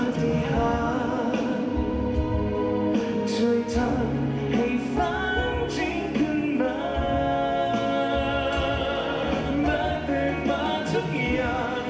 เมื่อเติมมาทุกอย่างจะหายและกลับไปเหมือนวันหน้า